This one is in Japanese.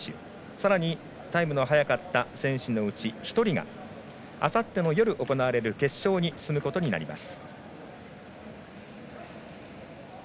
さらにタイムの速かった選手のうち１人があさっての夜行われる決勝に進むことになります。